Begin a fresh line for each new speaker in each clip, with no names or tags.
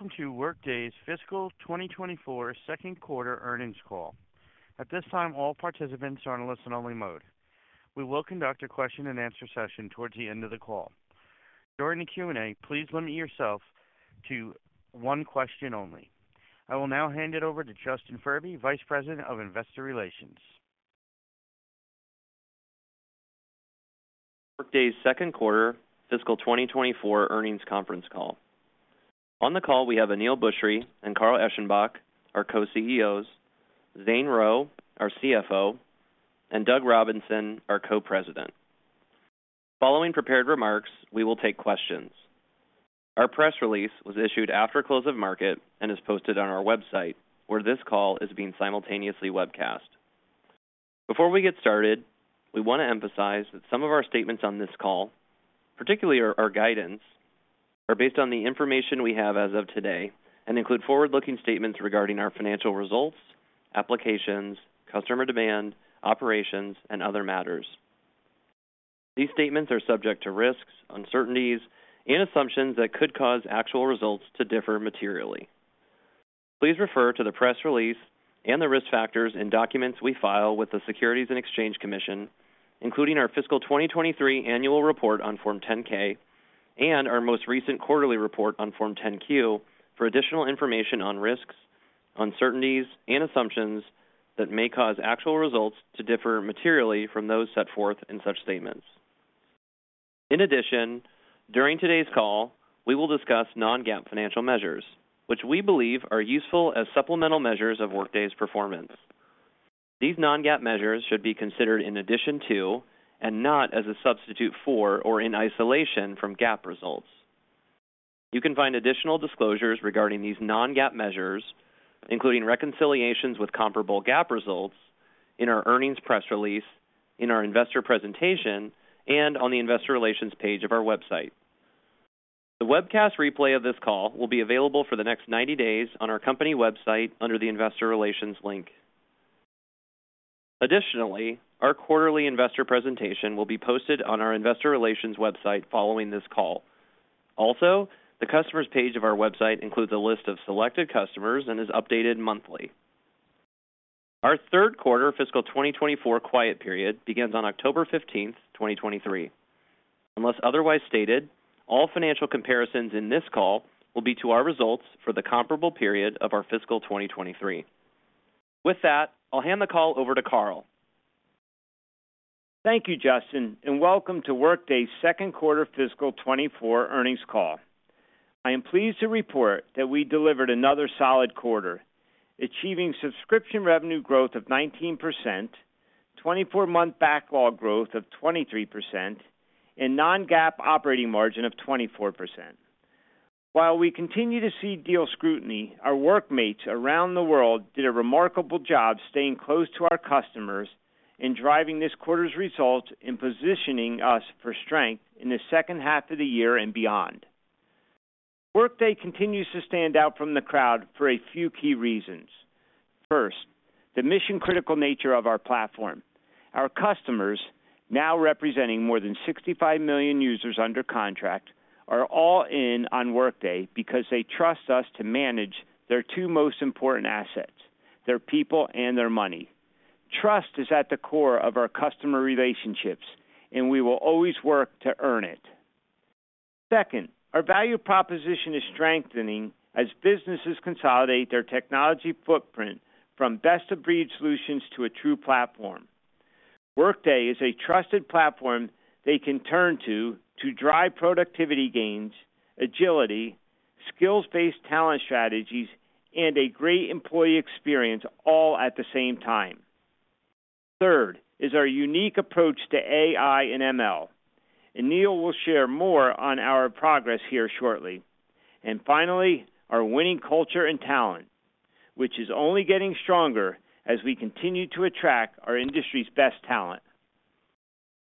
Welcome to Workday's Fiscal 2024 Second Quarter Earnings Call. At this time, all participants are on a listen-only mode. We will conduct a question-and-answer session towards the end of the call. During the Q&A, please limit yourself to one question only. I will now hand it over to Justin Furby, Vice President of Investor Relations.
Workday's second quarter fiscal 2024 earnings conference call. On the call, we have Aneel Bhusri and Carl Eschenbach, our co-CEOs, Zane Rowe, our CFO, and Doug Robinson, our Co-President. Following prepared remarks, we will take questions. Our press release was issued after close of market and is posted on our website, where this call is being simultaneously webcast. Before we get started, we want to emphasize that some of our statements on this call, particularly our guidance, are based on the information we have as of today and include forward-looking statements regarding our financial results, applications, customer demand, operations, and other matters. These statements are subject to risks, uncertainties and assumptions that could cause actual results to differ materially. Please refer to the press release and the risk factors in documents we file with the Securities and Exchange Commission, including our fiscal 2023 annual report on Form 10-K and our most recent quarterly report on Form 10-Q for additional information on risks, uncertainties and assumptions that may cause actual results to differ materially from those set forth in such statements. In addition, during today's call, we will discuss non-GAAP financial measures, which we believe are useful as supplemental measures of Workday's performance. These non-GAAP measures should be considered in addition to, and not as a substitute for or in isolation from GAAP results. You can find additional disclosures regarding these non-GAAP measures, including reconciliations with comparable GAAP results in our earnings press release, in our investor presentation, and on the investor relations page of our website. The webcast replay of this call will be available for the next 90 days on our company website under the Investor Relations link. Additionally, our quarterly investor presentation will be posted on our investor relations website following this call. Also, the customers page of our website includes a list of selected customers and is updated monthly. Our third quarter fiscal 2024 quiet period begins on October 15th, 2023. Unless otherwise stated, all financial comparisons in this call will be to our results for the comparable period of our fiscal 2023. With that, I'll hand the call over to Carl.
Thank you, Justin, and welcome to Workday's second quarter fiscal 2024 earnings call. I am pleased to report that we delivered another solid quarter, achieving subscription revenue growth of 19%, 24-month backlog growth of 23%, and non-GAAP operating margin of 24%. While we continue to see deal scrutiny, our workmates around the world did a remarkable job staying close to our customers and driving this quarter's results and positioning us for strength in the second half of the year and beyond. Workday continues to stand out from the crowd for a few key reasons. First, the mission-critical nature of our platform. Our customers, now representing more than 65 million users under contract, are all in on Workday because they trust us to manage their two most important assets: their people and their money. Trust is at the core of our customer relationships, and we will always work to earn it. Second, our value proposition is strengthening as businesses consolidate their technology footprint from best-of-breed solutions to a true platform. Workday is a trusted platform they can turn to, to drive productivity gains, agility, skills-based talent strategies, and a great employee experience all at the same time. Third is our unique approach to AI and ML, and Aneel will share more on our progress here shortly. And finally, our winning culture and talent, which is only getting stronger as we continue to attract our industry's best talent.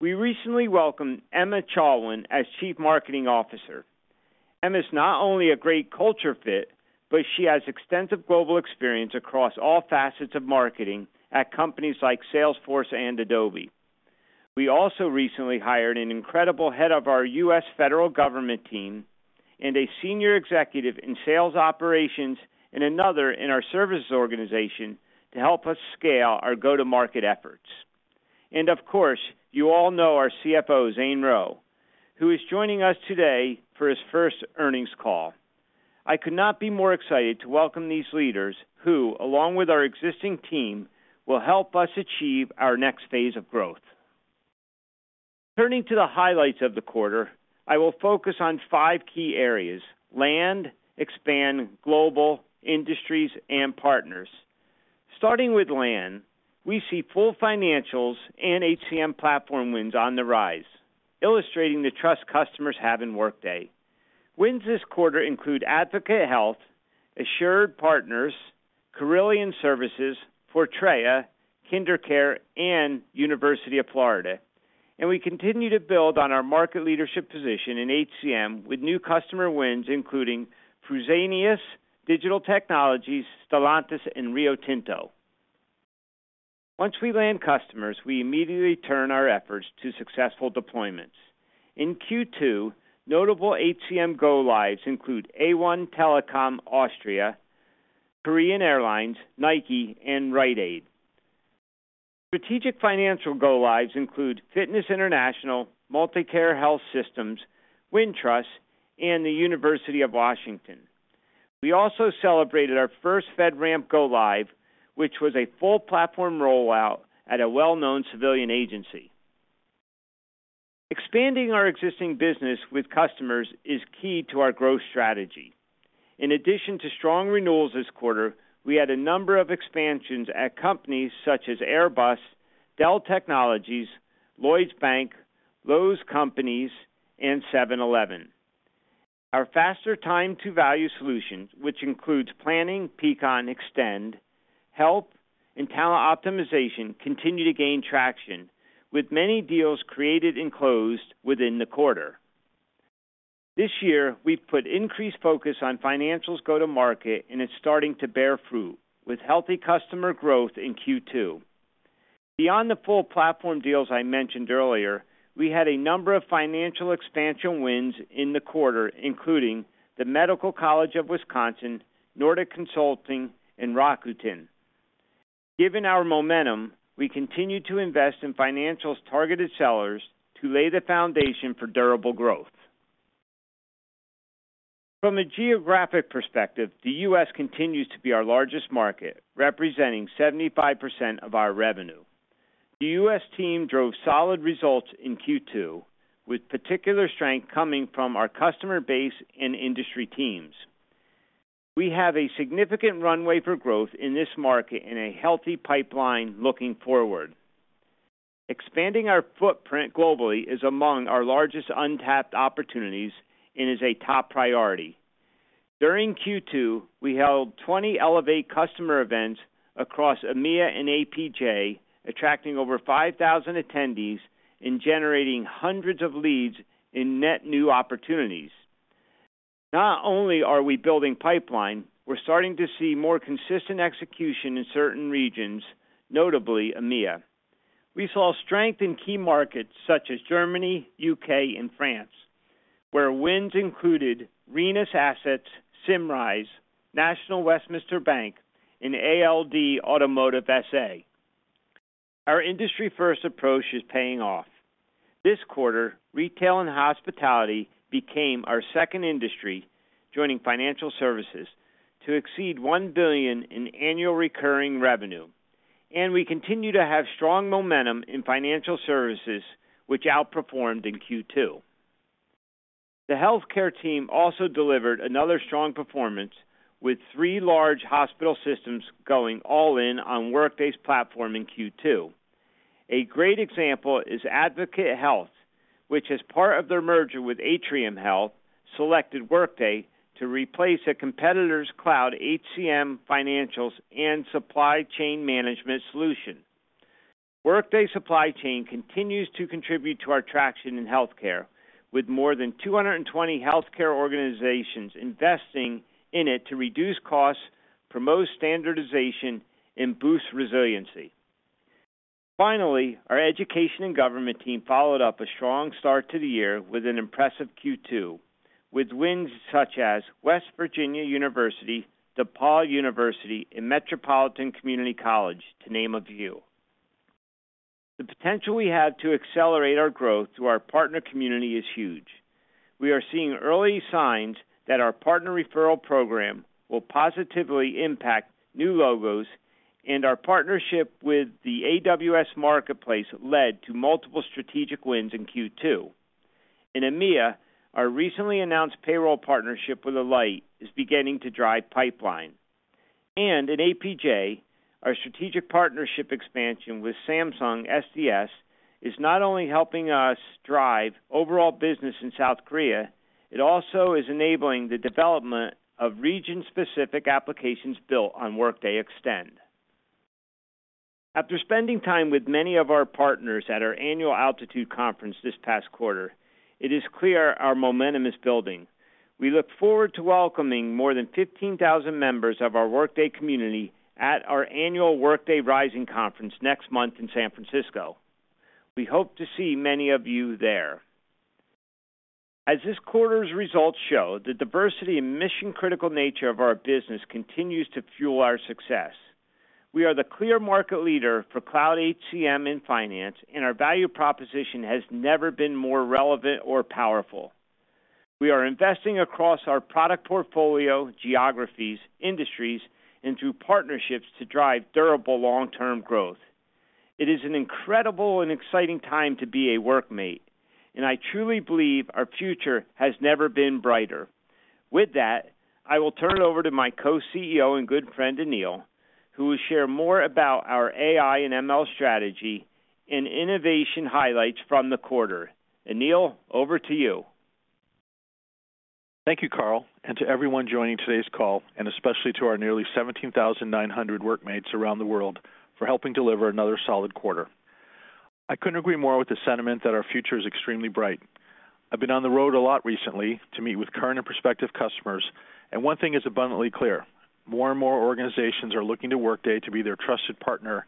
We recently welcomed Emma Chalwin as Chief Marketing Officer. Emma's not only a great culture fit, but she has extensive global experience across all facets of marketing at companies like Salesforce and Adobe. We also recently hired an incredible head of our U.S. federal government team and a senior executive in sales operations, and another in our services organization to help us scale our go-to-market efforts. And of course, you all know our CFO, Zane Rowe, who is joining us today for his first earnings call. I could not be more excited to welcome these leaders who, along with our existing team, will help us achieve our next phase of growth. Turning to the highlights of the quarter, I will focus on five key areas: land, expand, global, industries, and partners. Starting with land, we see full financials and HCM platform wins on the rise, illustrating the trust customers have in Workday. Wins this quarter include Advocate Health, Assured Partners, Carilion Services, Fortrea, KinderCare, and University of Florida. We continue to build on our market leadership position in HCM with new customer wins including Fresenius, Dell Technologies, Stellantis, and Rio Tinto. Once we land customers, we immediately turn our efforts to successful deployments. In Q2, notable HCM go-lives include A1 Telekom Austria, Korean Air, Nike, and Rite Aid. Strategic Financial go-lives include Fitness International, MultiCare Health System, Wintrust, and the University of Washington. We also celebrated our first FedRAMP go-live, which was a full platform rollout at a well-known civilian agency. Expanding our existing business with customers is key to our growth strategy. In addition to strong renewals this quarter, we had a number of expansions at companies such as Airbus, Dell Technologies, Lloyds Bank, Lowe's Companies, and 7-Eleven. Our faster time to value solutions, which includes Planning, Peakon, Extend, Health, and Talent Optimization, continue to gain traction, with many deals created and closed within the quarter. This year, we've put increased focus on financials go-to-market, and it's starting to bear fruit, with healthy customer growth in Q2. Beyond the full platform deals I mentioned earlier, we had a number of financial expansion wins in the quarter, including the Medical College of Wisconsin, Nordic Consulting, and Rakuten. Given our momentum, we continue to invest in financials-targeted sellers to lay the foundation for durable growth. From a geographic perspective, the U.S. continues to be our largest market, representing 75% of our revenue. The U.S. team drove solid results in Q2, with particular strength coming from our customer base and industry teams. We have a significant runway for growth in this market and a healthy pipeline looking forward. Expanding our footprint globally is among our largest untapped opportunities and is a top priority. During Q2, we held 20 Elevate customer events across EMEA and APJ, attracting over 5,000 attendees and generating hundreds of leads in net new opportunities. Not only are we building pipeline, we're starting to see more consistent execution in certain regions, notably EMEA. We saw strength in key markets such as Germany, UK, and France, where wins included Rhenus Assets, Symrise, National Westminster Bank, and ALD Automotive SA. Our industry-first approach is paying off. This quarter, retail and hospitality became our second industry, joining financial services, to exceed $1 billion in annual recurring revenue. And we continue to have strong momentum in financial services, which outperformed in Q2. The healthcare team also delivered another strong performance, with 3 large hospital systems going all in on Workday's platform in Q2. A great example is Advocate Health, which, as part of their merger with Atrium Health, selected Workday to replace a competitor's cloud HCM, financials, and supply chain management solution. Workday Supply Chain continues to contribute to our traction in healthcare, with more than 220 healthcare organizations investing in it to reduce costs, promote standardization, and boost resiliency. Finally, our education and government team followed up a strong start to the year with an impressive Q2, with wins such as West Virginia University, DePaul University, and Metropolitan Community College, to name a few. The potential we have to accelerate our growth through our partner community is huge. We are seeing early signs that our partner referral program will positively impact new logos, and our partnership with the AWS Marketplace led to multiple strategic wins in Q2. In EMEA, our recently announced payroll partnership with Alight is beginning to drive pipeline. In APJ, our strategic partnership expansion with Samsung SDS is not only helping us drive overall business in South Korea, it also is enabling the development of region-specific applications built on Workday Extend. After spending time with many of our partners at our annual Altitude conference this past quarter, it is clear our momentum is building. We look forward to welcoming more than 15,000 members of our Workday community at our annual Workday Rising conference next month in San Francisco. We hope to see many of you there. As this quarter's results show, the diversity and mission-critical nature of our business continues to fuel our success. We are the clear market leader for cloud HCM and finance, and our value proposition has never been more relevant or powerful. We are investing across our product portfolio, geographies, industries, and through partnerships to drive durable long-term growth. It is an incredible and exciting time to be a Workmate, and I truly believe our future has never been brighter. With that, I will turn it over to my co-CEO and good friend, Aneel, who will share more about our AI and ML strategy and innovation highlights from the quarter. Aneel, over to you.
Thank you, Carl, and to everyone joining today's call, and especially to our nearly 17,900 Workmates around the world for helping deliver another solid quarter. I couldn't agree more with the sentiment that our future is extremely bright. I've been on the road a lot recently to meet with current and prospective customers, and one thing is abundantly clear: more and more organizations are looking to Workday to be their trusted partner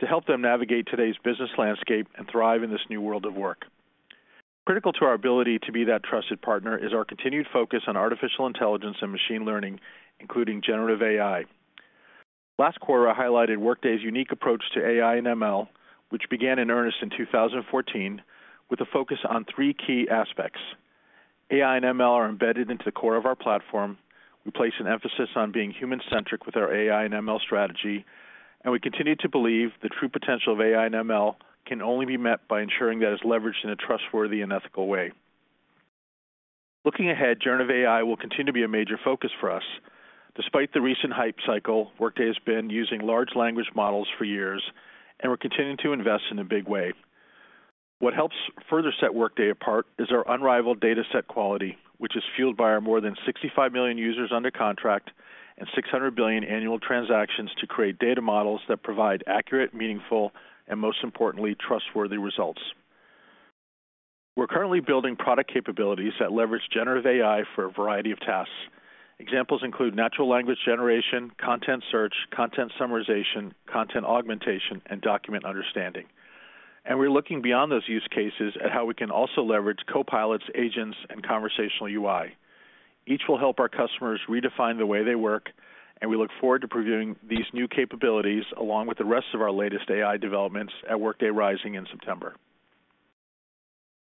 to help them navigate today's business landscape and thrive in this new world of work. Critical to our ability to be that trusted partner is our continued focus on artificial intelligence and machine learning, including generative AI. Last quarter, I highlighted Workday's unique approach to AI and ML, which began in earnest in 2014, with a focus on three key aspects. AI and ML are embedded into the core of our platform. We place an emphasis on being human-centric with our AI and ML strategy, and we continue to believe the true potential of AI and ML can only be met by ensuring that it's leveraged in a trustworthy and ethical way. Looking ahead, generative AI will continue to be a major focus for us. Despite the recent hype cycle, Workday has been using large language models for years, and we're continuing to invest in a big way. What helps further set Workday apart is our unrivaled data set quality, which is fueled by our more than 65 million users under contract and 600 billion annual transactions to create data models that provide accurate, meaningful, and most importantly, trustworthy results. We're currently building product capabilities that leverage generative AI for a variety of tasks. Examples include natural language generation, content search, content summarization, content augmentation, and document understanding. We're looking beyond those use cases at how we can also leverage copilots, agents, and conversational UI. Each will help our customers redefine the way they work, and we look forward to previewing these new capabilities, along with the rest of our latest AI developments, at Workday Rising in September.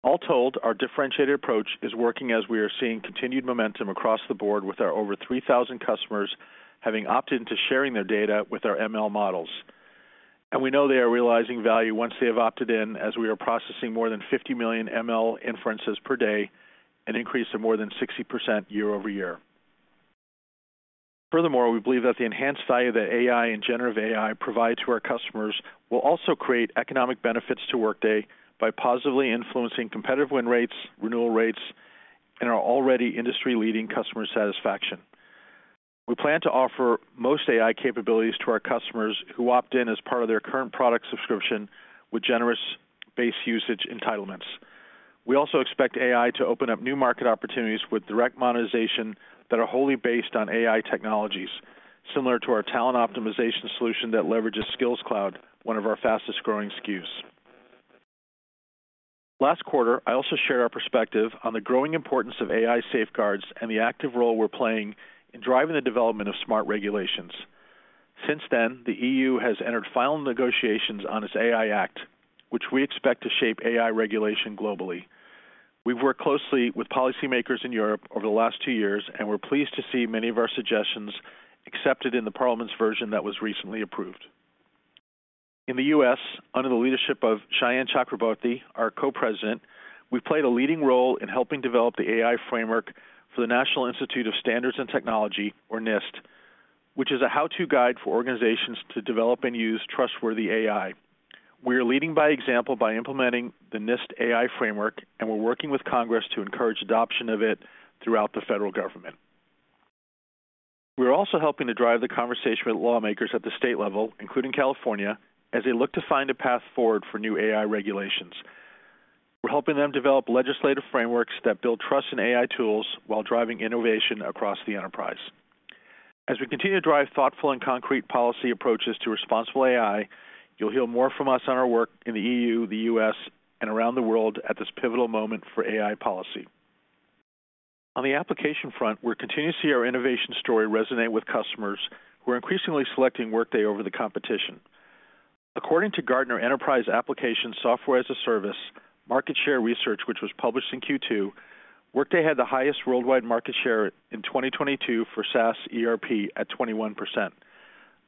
All told, our differentiated approach is working as we are seeing continued momentum across the board with our over 3,000 customers having opted into sharing their data with our ML models. We know they are realizing value once they have opted in, as we are processing more than 50 million ML inferences per day, an increase of more than 60% year-over-year. Furthermore, we believe that the enhanced value that AI and generative AI provide to our customers will also create economic benefits to Workday by positively influencing competitive win rates, renewal rates, and our already industry-leading customer satisfaction. We plan to offer most AI capabilities to our customers who opt in as part of their current product subscription with generous base usage entitlements. We also expect AI to open up new market opportunities with direct monetization that are wholly based on AI technologies, similar to our talent optimization solution that leverages Skills Cloud, one of our fastest-growing SKUs. Last quarter, I also shared our perspective on the growing importance of AI safeguards and the active role we're playing in driving the development of smart regulations. Since then, the EU has entered final negotiations on its AI Act, which we expect to shape AI regulation globally. We've worked closely with policymakers in Europe over the last two years, and we're pleased to see many of our suggestions accepted in the Parliament's version that was recently approved. In the U.S., under the leadership of Sayan Chakraborty, our Co-President, we've played a leading role in helping develop the AI framework for the National Institute of Standards and Technology, or NIST, which is a how-to guide for organizations to develop and use trustworthy AI. We are leading by example by implementing the NIST AI framework, and we're working with Congress to encourage adoption of it throughout the federal government. We're also helping to drive the conversation with lawmakers at the state level, including California, as they look to find a path forward for new AI regulations. We're helping them develop legislative frameworks that build trust in AI tools while driving innovation across the enterprise. As we continue to drive thoughtful and concrete policy approaches to responsible AI, you'll hear more from us on our work in the EU, the U.S., and around the world at this pivotal moment for AI policy. On the application front, we're continuing to see our innovation story resonate with customers, who are increasingly selecting Workday over the competition. According to Gartner Enterprise Application Software as a Service Market Share Research, which was published in Q2, Workday had the highest worldwide market share in 2022 for SaaS ERP at 21%.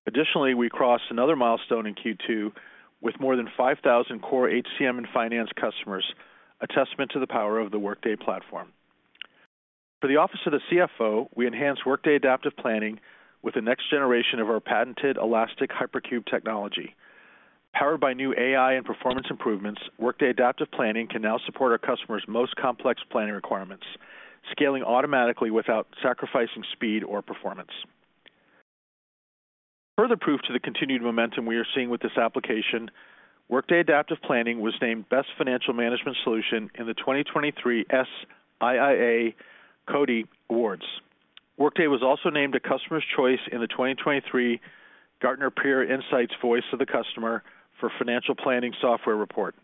Additionally, we crossed another milestone in Q2 with more than 5,000 core HCM and finance customers, a testament to the power of the Workday platform. For the Office of the CFO, we enhanced Workday Adaptive Planning with the next generation of our patented elastic Hypercube technology. Powered by new AI and performance improvements, Workday Adaptive Planning can now support our customers' most complex planning requirements, scaling automatically without sacrificing speed or performance. Further proof to the continued momentum we are seeing with this application, Workday Adaptive Planning was named Best Financial Management Solution in the 2023 SIIA CODiE Awards. Workday was also named a Customer's Choice in the 2023 Gartner Peer Insights Voice of the Customer for Financial Planning Software Report.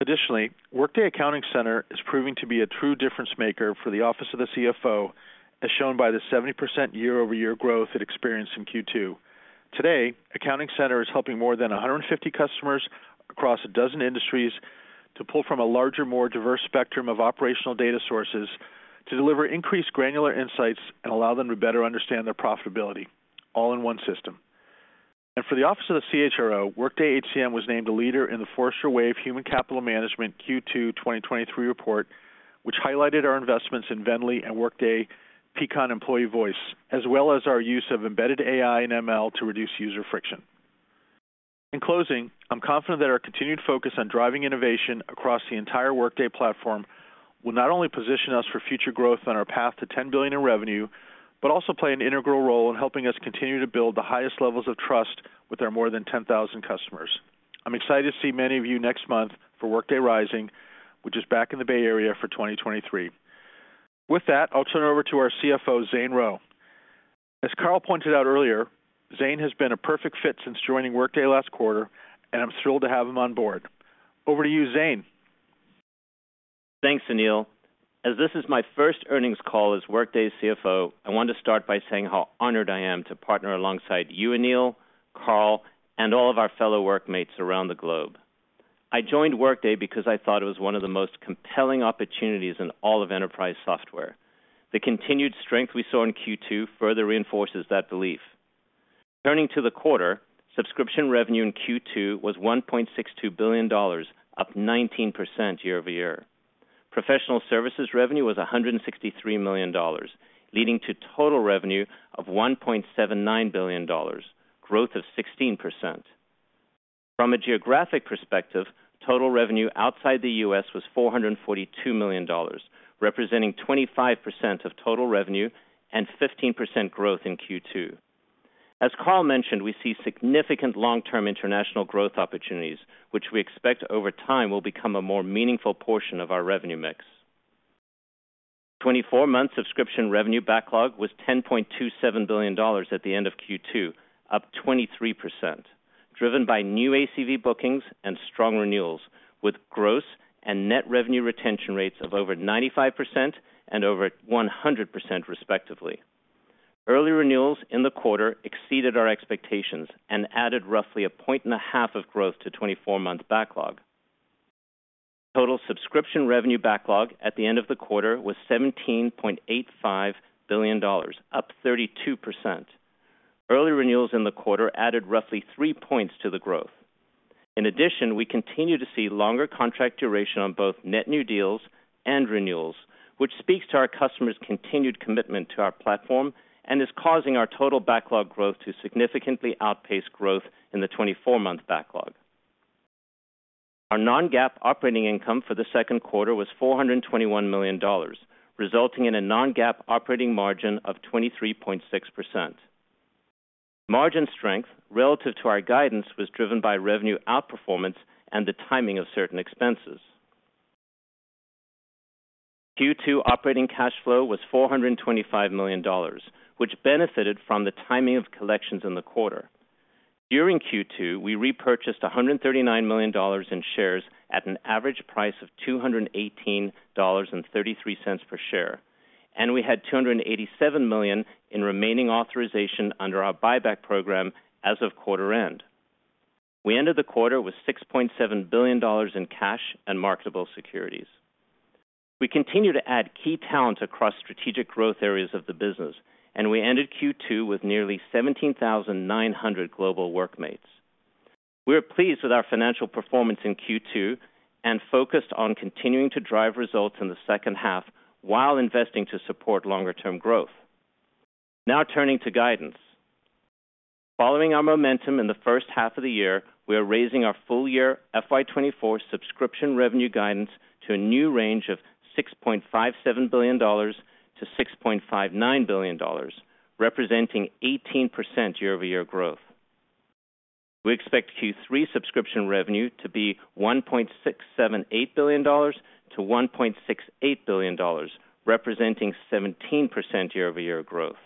Additionally, Workday Accounting Center is proving to be a true difference maker for the Office of the CFO, as shown by the 70% year-over-year growth it experienced in Q2. Today, Workday Accounting Center is helping more than 150 customers across 12 industries to pull from a larger, more diverse spectrum of operational data sources to deliver increased granular insights and allow them to better understand their profitability, all in one system. And for the Office of the CHRO, Workday HCM was named a leader in the Forrester Wave Human Capital Management Q2 2023 report, which highlighted our investments in VNDLY and Workday Peakon Employee Voice, as well as our use of embedded AI and ML to reduce user friction. In closing, I'm confident that our continued focus on driving innovation across the entire Workday platform will not only position us for future growth on our path to $10 billion in revenue, but also play an integral role in helping us continue to build the highest levels of trust with our more than 10,000 customers. I'm excited to see many of you next month for Workday Rising, which is back in the Bay Area for 2023. With that, I'll turn it over to our CFO, Zane Rowe. As Carl pointed out earlier, Zane has been a perfect fit since joining Workday last quarter, and I'm thrilled to have him on board. Over to you, Zane.
Thanks, Aneel. As this is my first earnings call as Workday's CFO, I want to start by saying how honored I am to partner alongside you, Aneel, Carl, and all of our fellow workmates around the globe. I joined Workday because I thought it was one of the most compelling opportunities in all of enterprise software. The continued strength we saw in Q2 further reinforces that belief. Turning to the quarter, subscription revenue in Q2 was $1.62 billion, up 19% year-over-year. Professional services revenue was $163 million, leading to total revenue of $1.79 billion, growth of 16%. From a geographic perspective, total revenue outside the U.S. was $442 million, representing 25% of total revenue and 15% growth in Q2. As Carl mentioned, we see significant long-term international growth opportunities, which we expect over time, will become a more meaningful portion of our revenue mix. 24-month subscription revenue backlog was $10.27 billion at the end of Q2, up 23%, driven by new ACV bookings and strong renewals, with gross and net revenue retention rates of over 95% and over 100%, respectively. Early renewals in the quarter exceeded our expectations and added roughly 1.5 points of growth to 24-month backlog. Total subscription revenue backlog at the end of the quarter was $17.85 billion, up 32%. Early renewals in the quarter added roughly three points to the growth. In addition, we continue to see longer contract duration on both net new deals and renewals, which speaks to our customers' continued commitment to our platform and is causing our total backlog growth to significantly outpace growth in the 24-month backlog. Our non-GAAP operating income for the second quarter was $421 million, resulting in a non-GAAP operating margin of 23.6%. Margin strength relative to our guidance was driven by revenue outperformance and the timing of certain expenses. Q2 operating cash flow was $425 million, which benefited from the timing of collections in the quarter. During Q2, we repurchased $139 million in shares at an average price of $218.33 per share, and we had $287 million in remaining authorization under our buyback program as of quarter end. We ended the quarter with $6.7 billion in cash and marketable securities. We continue to add key talent across strategic growth areas of the business, and we ended Q2 with nearly 17,900 global workmates. We are pleased with our financial performance in Q2 and focused on continuing to drive results in the second half while investing to support longer-term growth. Now turning to guidance. Following our momentum in the first half of the year, we are raising our full-year FY 2024 subscription revenue guidance to a new range of $6.57 billion-$6.59 billion, representing 18% year-over-year growth. We expect Q3 subscription revenue to be $1.678 billion-$1.68 billion, representing 17% year-over-year growth.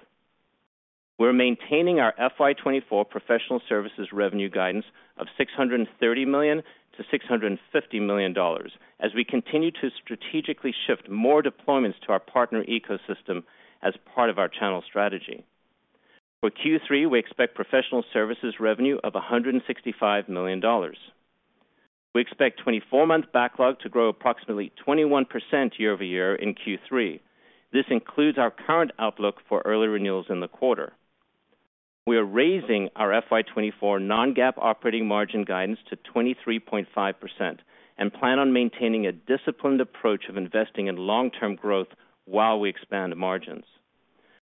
We're maintaining our FY 2024 professional services revenue guidance of $630 million-$650 million as we continue to strategically shift more deployments to our partner ecosystem as part of our channel strategy. For Q3, we expect professional services revenue of $165 million. We expect 24-month backlog to grow approximately 21% year-over-year in Q3. This includes our current outlook for early renewals in the quarter. We are raising our FY 2024 non-GAAP operating margin guidance to 23.5% and plan on maintaining a disciplined approach of investing in long-term growth while we expand margins.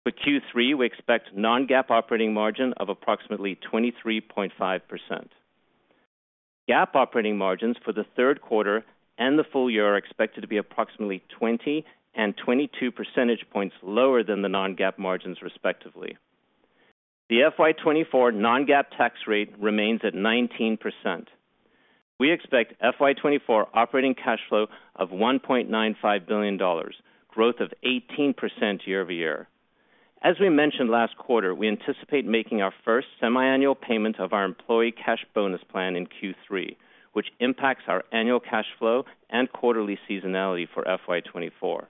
For Q3, we expect non-GAAP operating margin of approximately 23.5%. GAAP operating margins for the third quarter and the full-year are expected to be approximately 20 and 22 percentage points lower than the non-GAAP margins, respectively. The FY 2024 non-GAAP tax rate remains at 19%. We expect FY 2024 operating cash flow of $1.95 billion, growth of 18% year-over-year. As we mentioned last quarter, we anticipate making our first semiannual payment of our employee cash bonus plan in Q3, which impacts our annual cash flow and quarterly seasonality for FY 2024.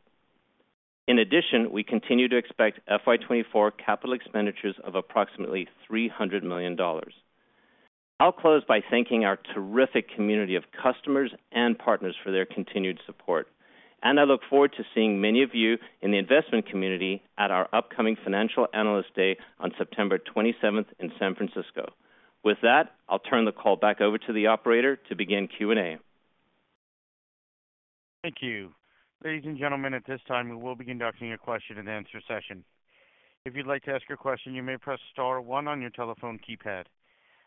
In addition, we continue to expect FY 2024 capital expenditures of approximately $300 million. I'll close by thanking our terrific community of customers and partners for their continued support, and I look forward to seeing many of you in the investment community at our upcoming Financial Analyst Day on September 27th in San Francisco. With that, I'll turn the call back over to the operator to begin Q&A.
Thank you. Ladies and gentlemen, at this time, we will be conducting a question-and-answer session... If you'd like to ask your question, you may press star one on your telephone keypad.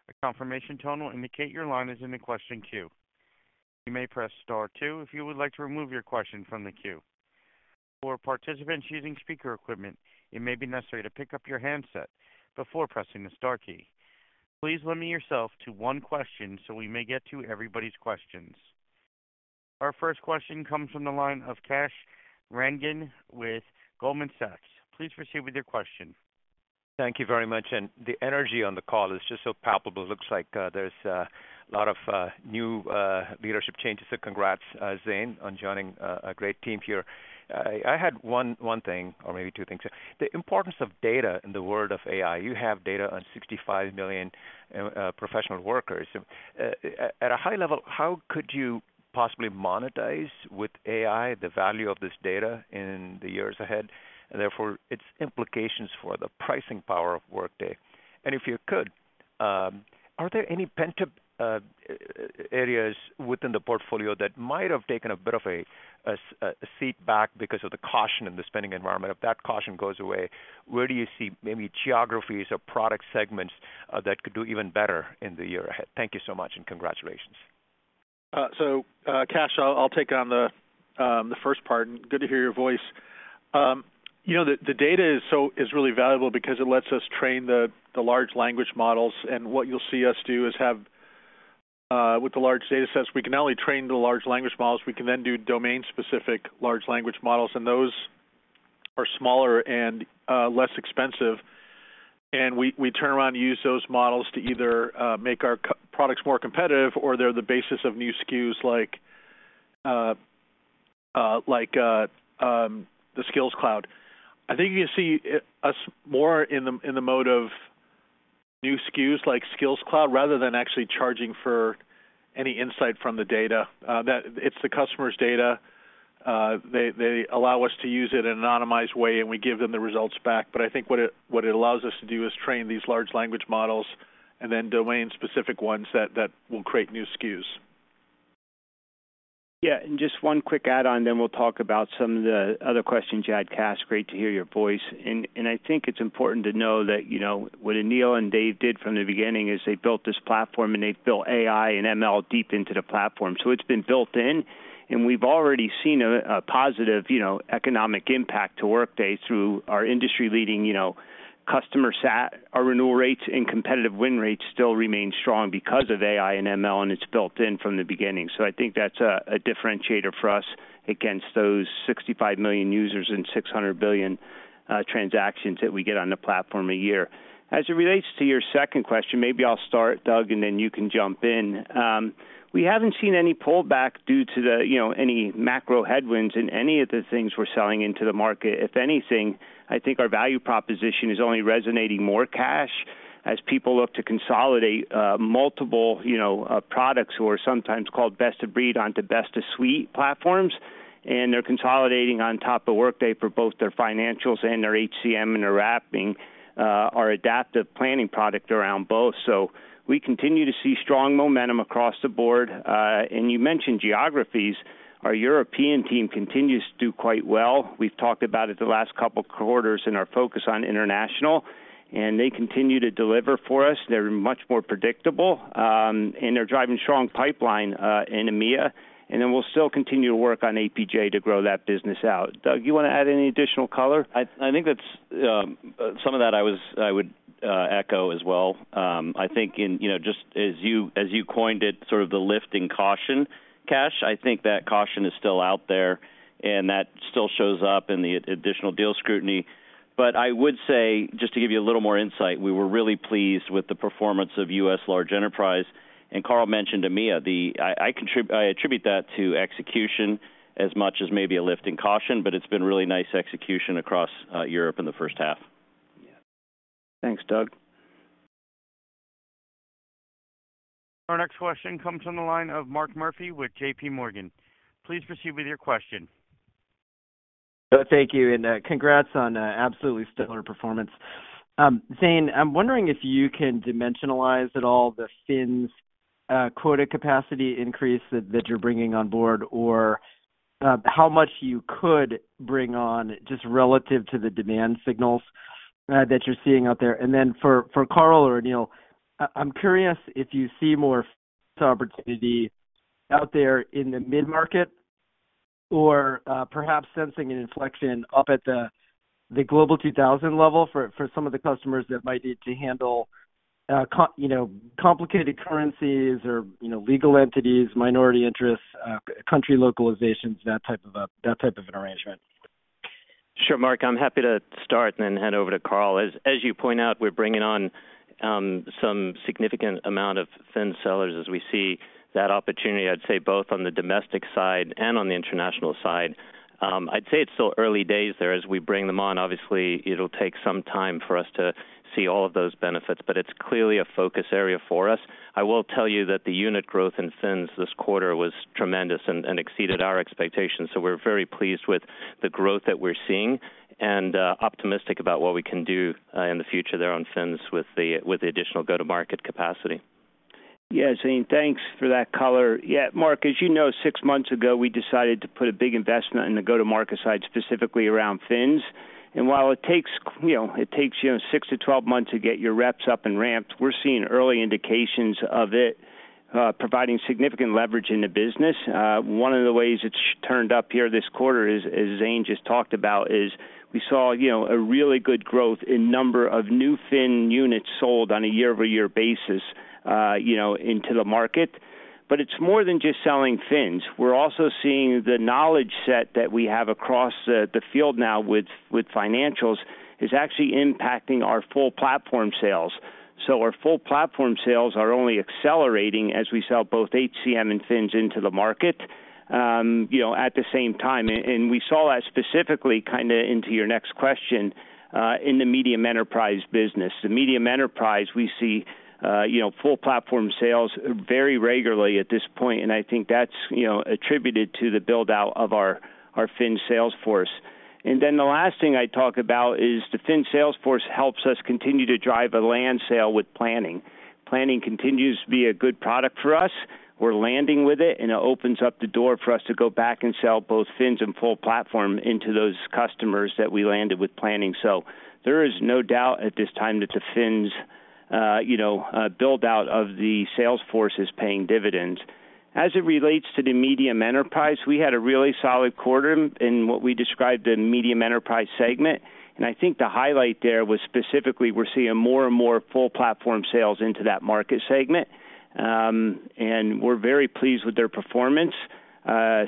A confirmation tone will indicate your line is in the question queue. You may press star two if you would like to remove your question from the queue. For participants using speaker equipment, it may be necessary to pick up your handset before pressing the star key. Please limit yourself to one question so we may get to everybody's questions. Our first question comes from the line of Kash Rangan with Goldman Sachs. Please proceed with your question.
Thank you very much, and the energy on the call is just so palpable. It looks like there's a lot of new leadership changes, so congrats, Zane, on joining a great team here. I had one thing or maybe two things. The importance of data in the world of AI. You have data on 65 million professional workers. At a high level, how could you possibly monetize with AI the value of this data in the years ahead, and therefore its implications for the pricing power of Workday? And if you could, are there any pent-up areas within the portfolio that might have taken a bit of a setback because of the caution in the spending environment? If that caution goes away, where do you see maybe geographies or product segments that could do even better in the year ahead? Thank you so much, and congratulations.
So, Kash, I'll take on the first part. Good to hear your voice. You know, the data is really valuable because it lets us train the large language models, and what you'll see us do is have, with the large data sets, we can not only train the large language models, we can then do domain-specific large language models, and those are smaller and less expensive. And we turn around and use those models to either make our core products more competitive, or they're the basis of new SKUs like the Skills Cloud. I think you see us more in the mode of new SKUs like Skills Cloud, rather than actually charging for any insight from the data. That's the customer's data. They allow us to use it in an anonymized way, and we give them the results back. But I think what it allows us to do is train these large language models and then domain-specific ones that will create new SKUs.
Yeah, and just one quick add on, then we'll talk about some of the other questions you had, Kash. Great to hear your voice. And I think it's important to know that, you know, what Aneel and Dave did from the beginning is they built this platform, and they built AI and ML deep into the platform. So it's been built in, and we've already seen a positive, you know, economic impact to Workday through our industry-leading, you know, customer sat. Our renewal rates and competitive win rates still remain strong because of AI and ML, and it's built in from the beginning. So I think that's a differentiator for us against those 65 million users and 600 billion transactions that we get on the platform a year. As it relates to your second question, maybe I'll start, Doug, and then you can jump in. We haven't seen any pullback due to the, you know, any macro headwinds in any of the things we're selling into the market. If anything, I think our value proposition is only resonating more, Kash, as people look to consolidate multiple, you know, products, who are sometimes called best of breed onto best of suite platforms, and they're consolidating on top of Workday for both their financials and their HCM and wrapping our adaptive planning product around both. So we continue to see strong momentum across the board. You mentioned geographies. Our European team continues to do quite well. We've talked about it the last couple of quarters in our focus on international, and they continue to deliver for us. They're much more predictable, and they're driving strong pipeline in EMEA, and then we'll still continue to work on APJ to grow that business out. Doug, you want to add any additional color?
I think that's some of that I would echo as well. I think, you know, just as you, as you coined it, sort of the lift in caution, Kash, I think that caution is still out there, and that still shows up in the additional deal scrutiny. But I would say, just to give you a little more insight, we were really pleased with the performance of U.S. large enterprise, and Carl mentioned EMEA. I attribute that to execution as much as maybe a lift in caution, but it's been really nice execution across Europe in the first half.
Thanks, Doug.
Our next question comes from the line of Mark Murphy with J.P. Morgan. Please proceed with your question.
Thank you, and, congrats on, absolutely stellar performance. Zane, I'm wondering if you can dimensionalize at all the FINs quota capacity increase that, that you're bringing on board, or, how much you could bring on just relative to the demand signals that you're seeing out there. And then for, for Carl or Aneel, I, I'm curious if you see more opportunity out there in the mid-market or, perhaps sensing an inflection up at the, the Global 2000 level for, for some of the customers that might need to handle, you know, complicated currencies or, you know, legal entities, minority interests, country localizations, that type of an arrangement.
Sure, Mark, I'm happy to start and then hand over to Carl. As you point out, we're bringing on some significant amount of new sellers as we see that opportunity, I'd say, both on the domestic side and on the international side. I'd say it's still early days there as we bring them on. Obviously, it'll take some time for us to see all of those benefits, but it's clearly a focus area for us. I will tell you that the unit growth in FINs this quarter was tremendous and exceeded our expectations. So we're very pleased with the growth that we're seeing and optimistic about what we can do in the future there on FINs with the additional go-to-market capacity.
Yes, Zane, thanks for that color. Yeah, Mark, as you know, six months ago, we decided to put a big investment in the go-to-market side, specifically around Fins. And while it takes, you know, 6 months-12 months to get your reps up and ramped, we're seeing early indications of it providing significant leverage in the business. One of the ways it's turned up here this quarter is, as Zane just talked about, we saw, you know, a really good growth in number of new Fin units sold on a year-over-year basis, you know, into the market. But it's more than just selling Fins. We're also seeing the knowledge set that we have across the field now with financials is actually impacting our full platform sales. So our full platform sales are only accelerating as we sell both HCM and Fins into the market, you know, at the same time. And we saw that specifically, kinda into your next question, in the medium enterprise business. The medium enterprise, we see, you know, full platform sales very regularly at this point, and I think that's, you know, attributed to the build-out of our Fin sales force. And then the last thing I'd talk about is the Fin sales force helps us continue to drive a land sale with planning. Planning continues to be a good product for us. We're landing with it, and it opens up the door for us to go back and sell both Fins and full platform into those customers that we landed with planning. So there is no doubt at this time that the wins, you know, build-out of the sales force is paying dividends. As it relates to the medium enterprise, we had a really solid quarter in what we described the medium enterprise segment. And I think the highlight there was specifically, we're seeing more and more full platform sales into that market segment. And we're very pleased with their performance,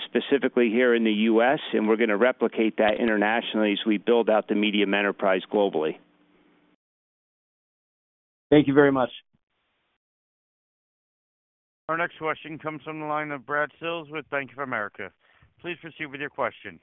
specifically here in the U.S., and we're going to replicate that internationally as we build out the medium enterprise globally.
Thank you very much.
Our next question comes from the line of Brad Sills with Bank of America. Please proceed with your question.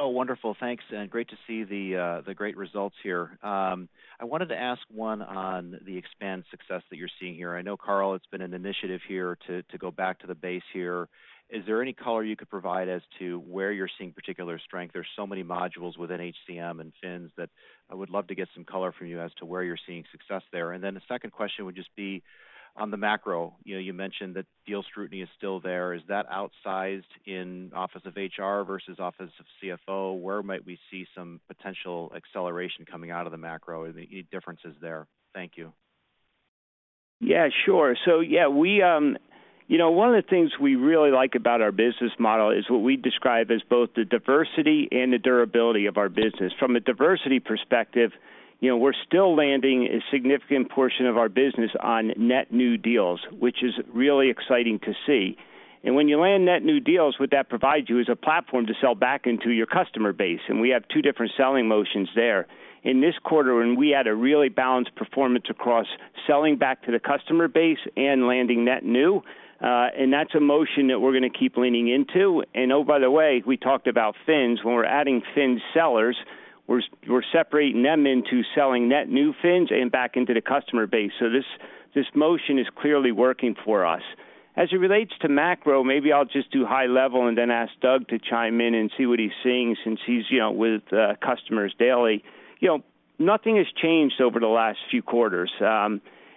Oh, wonderful. Thanks, and great to see the great results here. I wanted to ask one on the expand success that you're seeing here. I know, Carl, it's been an initiative here to go back to the base here. Is there any color you could provide as to where you're seeing particular strength? There's so many modules within HCM and Fins that I would love to get some color from you as to where you're seeing success there. And then the second question would just be on the macro. You know, you mentioned that deal scrutiny is still there. Is that outsized in office of HR versus office of CFO? Where might we see some potential acceleration coming out of the macro? Any differences there? Thank you.
Yeah, sure. So, yeah, we... You know, one of the things we really like about our business model is what we describe as both the diversity and the durability of our business. From a diversity perspective, you know, we're still landing a significant portion of our business on net new deals, which is really exciting to see. And when you land net new deals, what that provides you is a platform to sell back into your customer base, and we have two different selling motions there. In this quarter, when we had a really balanced performance across selling back to the customer base and landing net new, and that's a motion that we're going to keep leaning into. And oh, by the way, we talked about Fins. When we're adding Fins sellers, we're separating them into selling net new Fins and back into the customer base. So this, this motion is clearly working for us. As it relates to macro, maybe I'll just do high level and then ask Doug to chime in and see what he's seeing since he's, you know, with customers daily. You know, nothing has changed over the last few quarters.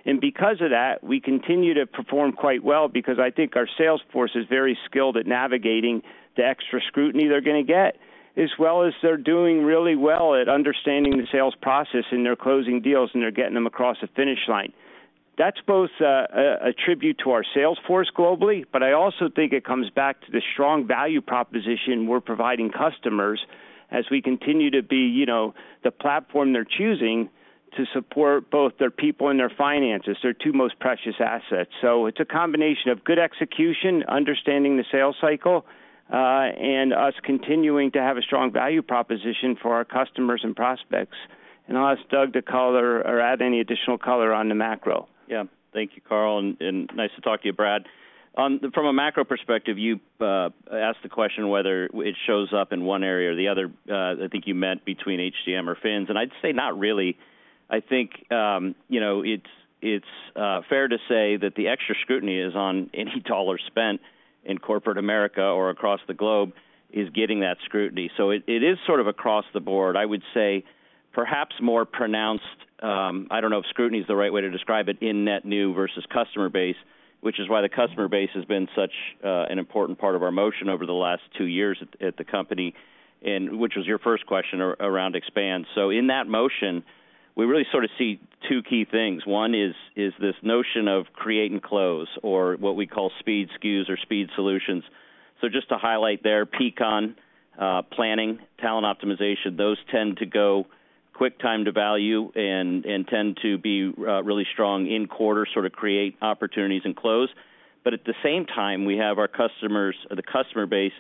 And because of that, we continue to perform quite well, because I think our sales force is very skilled at navigating the extra scrutiny they're going to get, as well as they're doing really well at understanding the sales process, and they're closing deals, and they're getting them across the finish line. That's both a tribute to our sales force globally, but I also think it comes back to the strong value proposition we're providing customers as we continue to be, you know, the platform they're choosing to support both their people and their finances, their two most precious assets. So it's a combination of good execution, understanding the sales cycle, and us continuing to have a strong value proposition for our customers and prospects. And I'll ask Doug to color or add any additional color on the macro.
Yeah. Thank you, Carl, and nice to talk to you, Brad. From a macro perspective, you asked the question whether it shows up in one area or the other. I think you meant between HCM or Fins, and I'd say not really. I think, you know, it's fair to say that the extra scrutiny is on any dollar spent in corporate America or across the globe is getting that scrutiny. So it is sort of across the board. I would say perhaps more pronounced. I don't know if scrutiny is the right way to describe it, in net new versus customer base, which is why the customer base has been such an important part of our motion over the last two years at the company, and which was your first question, around expand. So in that motion, we really sort of see two key things. One is, is this notion of create and close or what we call speed SKUs or speed solutions. So just to highlight there, Peakon, planning, talent optimization, those tend to go quick time to value and, and tend to be, really strong in quarter, sort of create opportunities and close. But at the same time, we have our customers, the customer base,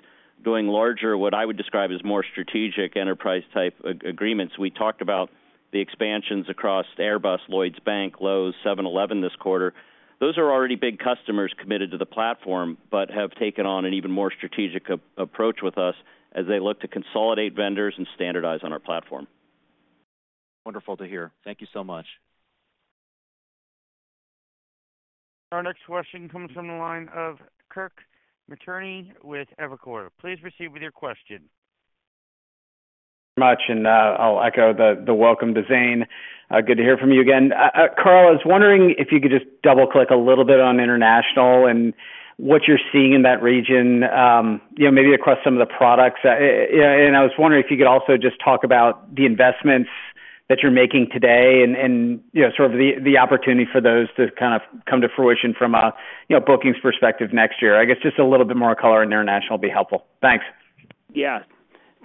doing larger, what I would describe as more strategic enterprise type agreements. We talked about the expansions across Airbus, Lloyds Bank, Lowe's, 7-Eleven this quarter. Those are already big customers committed to the platform, but have taken on an even more strategic approach with us as they look to consolidate vendors and standardize on our platform.
Wonderful to hear. Thank you so much.
Our next question comes from the line of Kirk Materne with Evercore. Please proceed with your question. ...
much, and, I'll echo the welcome to Zane. Good to hear from you again. Carl, I was wondering if you could just double-click a little bit on international and what you're seeing in that region, you know, maybe across some of the products. And I was wondering if you could also just talk about the investments that you're making today and, you know, sort of the opportunity for those to kind of come to fruition from a, you know, bookings perspective next year. I guess just a little bit more color on international be helpful. Thanks.
Yeah.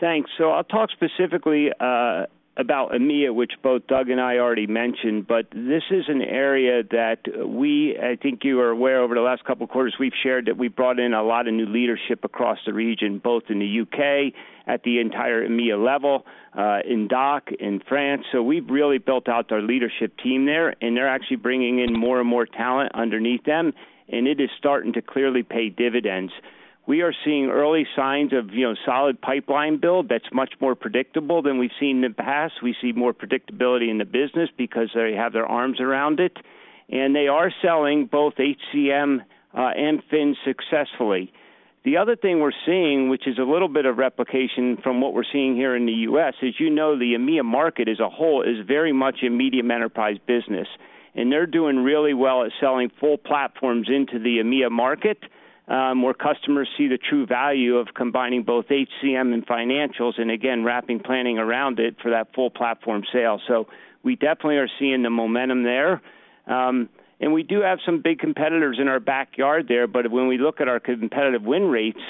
Thanks. So I'll talk specifically about EMEA, which both Doug and I already mentioned, but this is an area that we, I think you are aware, over the last couple of quarters, we've shared that we brought in a lot of new leadership across the region, both in the UK, at the entire EMEA level, in DACH, in France. So we've really built out our leadership team there, and they're actually bringing in more and more talent underneath them, and it is starting to clearly pay dividends. We are seeing early signs of, you know, solid pipeline build that's much more predictable than we've seen in the past. We see more predictability in the business because they have their arms around it, and they are selling both HCM and FIN successfully. The other thing we're seeing, which is a little bit of replication from what we're seeing here in the U.S., is, you know, the EMEA market as a whole is very much a medium enterprise business, and they're doing really well at selling full platforms into the EMEA market, where customers see the true value of combining both HCM and financials, and again, wrapping planning around it for that full platform sale. So we definitely are seeing the momentum there. We do have some big competitors in our backyard there, but when we look at our competitive win rates,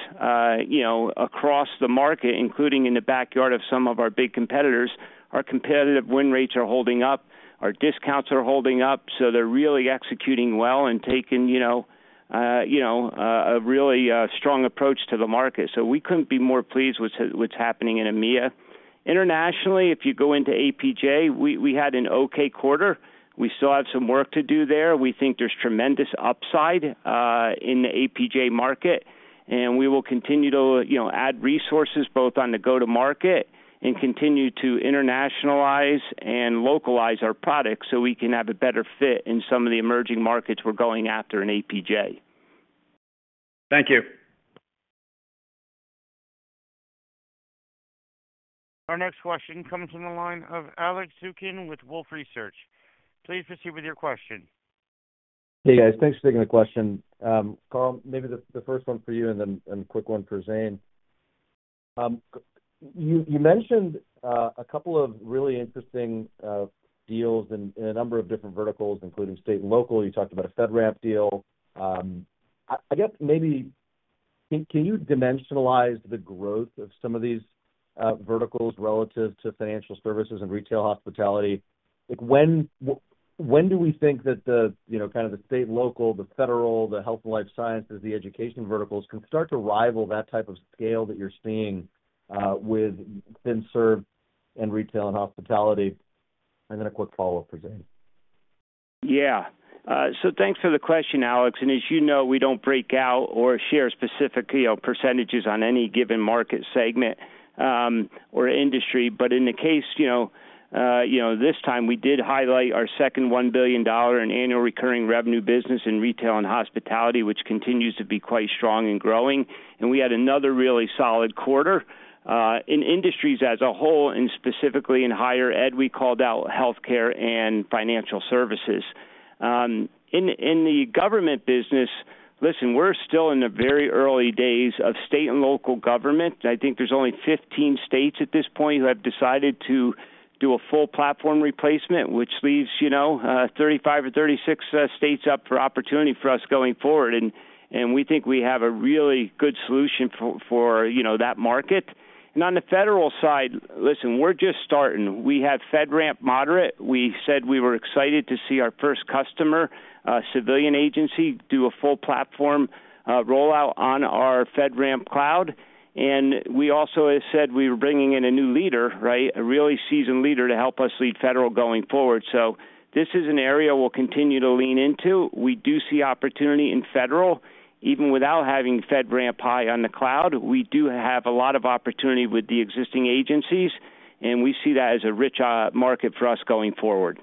you know, across the market, including in the backyard of some of our big competitors, our competitive win rates are holding up, our discounts are holding up, so they're really executing well and taking, you know, a really strong approach to the market. We couldn't be more pleased with what's happening in EMEA. Internationally, if you go into APJ, we had an okay quarter. We still have some work to do there. We think there's tremendous upside in the APJ market, and we will continue to, you know, add resources both on the go-to-market and continue to internationalize and localize our products so we can have a better fit in some of the emerging markets we're going after in APJ.
Thank you.
Our next question comes from the line of Alex Zukin with Wolfe Research. Please proceed with your question.
Hey, guys. Thanks for taking the question. Carl, maybe the first one for you and then a quick one for Zane. You mentioned a couple of really interesting deals in a number of different verticals, including state and local. You talked about a FedRAMP deal. I guess maybe, can you dimensionalize the growth of some of these verticals relative to financial services and retail hospitality? Like, when do we think that the, you know, kind of the state and local, the federal, the health and life sciences, the education verticals can start to rival that type of scale that you're seeing with financial services and retail and hospitality? And then a quick follow-up for Zane.
Yeah. So thanks for the question, Alex, and as you know, we don't break out or share specific, you know, percentages on any given market segment, or industry. But in the case, you know, you know, this time we did highlight our second $1 billion in annual recurring revenue business in retail and hospitality, which continues to be quite strong and growing. And we had another really solid quarter, in industries as a whole, and specifically in higher ed, we called out healthcare and financial services. In, in the government business, listen, we're still in the very early days of state and local government. I think there's only 15 states at this point who have decided to do a full platform replacement, which leaves, you know, 35 or 36, states up for opportunity for us going forward. We think we have a really good solution for you know, that market. On the federal side, listen, we're just starting. We have FedRAMP moderate. We said we were excited to see our first customer, a civilian agency, do a full platform rollout on our FedRAMP cloud. We also said we were bringing in a new leader, right? A really seasoned leader to help us lead federal going forward. So this is an area we'll continue to lean into. We do see opportunity in federal, even without having FedRAMP high on the cloud. We do have a lot of opportunity with the existing agencies, and we see that as a rich market for us going forward.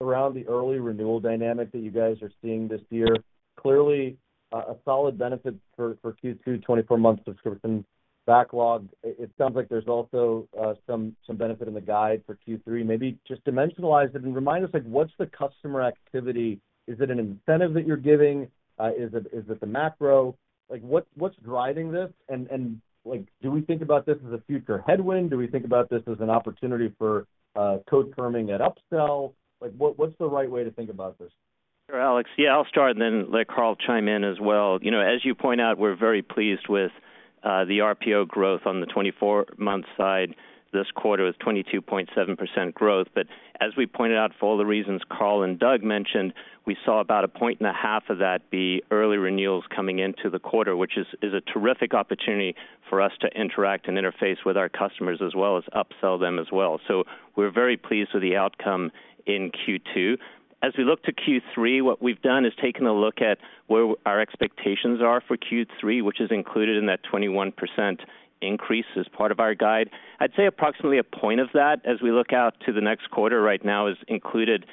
Around the early renewal dynamic that you guys are seeing this year. Clearly, a solid benefit for Q2 24-month subscription backlog. It sounds like there's also some benefit in the guide for Q3. Maybe just dimensionalize it and remind us, like, what's the customer activity? Is it an incentive that you're giving? Is it the macro? Like, what's driving this? And like, do we think about this as a future headwind? Do we think about this as an opportunity for co-terming at upsell? Like, what's the right way to think about this?...
Alex. Yeah, I'll start and then let Carl chime in as well. You know, as you point out, we're very pleased with the RPO growth on the 24-month side. This quarter was 22.7% growth. But as we pointed out, for all the reasons Carl and Doug mentioned, we saw about 1.5 points of that be early renewals coming into the quarter, which is a terrific opportunity for us to interact and interface with our customers, as well as upsell them as well. So we're very pleased with the outcome in Q2. As we look to Q3, what we've done is taken a look at where our expectations are for Q3, which is included in that 21% increase as part of our guide. I'd say approximately a point of that, as we look out to the next quarter right now, is included